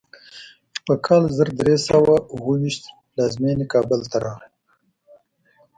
په کال زر درې سوه اوو ویشت پلازمینې کابل ته راغی.